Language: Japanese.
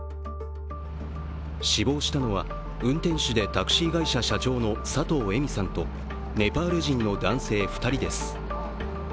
死亡したのは、運転手でタクシー会社社長の佐藤恵美さんとネパール人の男性２人です。